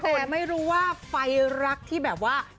แต่ไม่รู้ว่าไฟรักที่แบบว่า